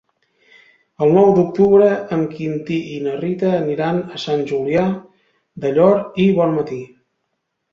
El nou d'octubre en Quintí i na Rita aniran a Sant Julià del Llor i Bonmatí.